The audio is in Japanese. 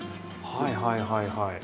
はいはいはいはい。